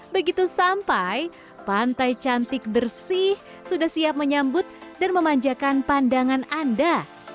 begitu sampai pantai cantik bersih sudah siap menyambut dan memanjakan pandangan anda